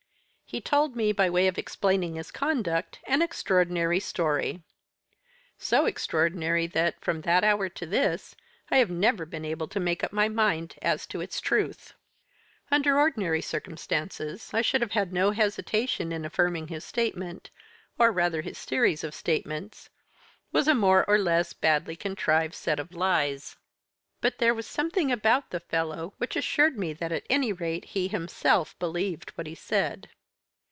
He told me, by way of explaining his conduct, an extraordinary story; so extraordinary that, from that hour to this, I have never been able to make up my mind as to its truth. "Under ordinary circumstances I should have had no hesitation in affirming his statement, or rather his series of statements, was a more or less badly contrived set of lies. But there was something about the fellow which assured me that at any rate he himself believed what he said.